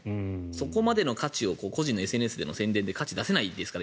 そこまでの価値をＳＮＳでの宣伝は価値を出せないですから